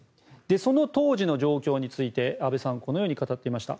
その当時の状況について安倍さんはこのように語っていました。